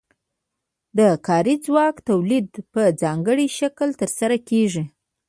د کاري ځواک تولید په ځانګړي شکل ترسره کیږي.